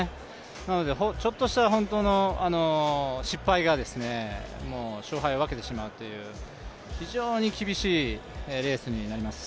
なのでちょっとした失敗が勝敗を分けてしまうという非常に厳しいレースになります。